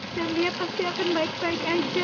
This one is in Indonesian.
dan dia pasti akan baik baik aja